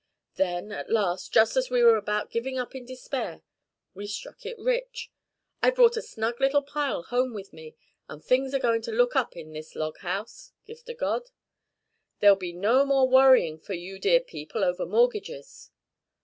Then at last, just as we were about giving up in despair, we struck it rich. I've brought a snug little pile home with me, and things are going to look up in this log house, Gift o' God. There'll be no more worrying for you dear people over mortgages."